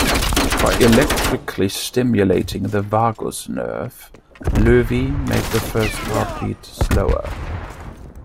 By electrically stimulating the vagus nerve, Loewi made the first heart beat slower.